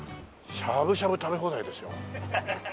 しゃぶしゃぶ食べ放題ですよ。